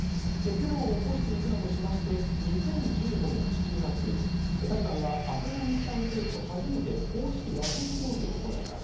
テロを起こしていくなどしまして、２０１５年７月、タリバンはアフガニスタン政府と初めて公式和平協議を行います。